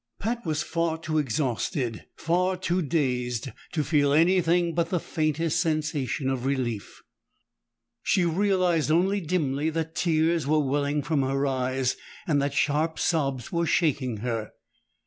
Pat was far too exhausted, far too dazed, to feel anything but the faintest sensation of relief. She realized only dimly that tears were welling from her eyes, and that sharp sobs were shaking her.